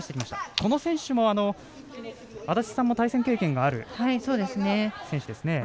この選手も、安達さんも対戦経験のある選手ですね。